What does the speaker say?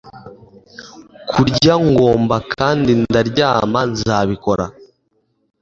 Kurya ngomba kandi ndaryama nzabikora